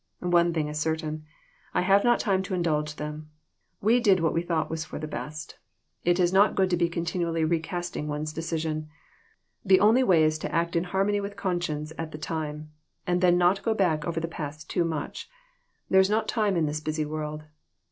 "One thing is certain, I have not time to indulge them. We did what we thought was for the best. 226 THIS WORLD, AND THE OTHER ONE. It is not good to be continually recasting one's decisions. The only way is to act in harmony with conscience at the time, and then not go back over the past too much. There is not time in this busy world."